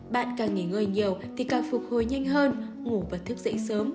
bạn càng nghỉ ngơi nhiều thì càng phục hồi nhanh hơn ngủ và thức dậy sớm